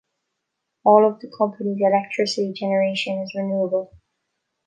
All of the company's electricity generation is renewable.